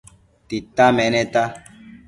Tita meneta